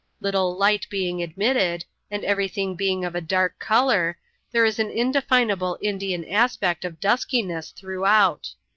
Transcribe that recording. Little light being admitted, and every thing being of a dark edour, there is an indefinable Indian aspect of duskiness throughout.